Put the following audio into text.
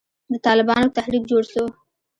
د طالبانو تحريک جوړ سو.